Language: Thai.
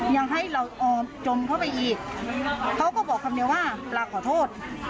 ยังให้เราจมเข้าไปอีกเขาก็บอกคำเดียวว่าปลาขอโทษ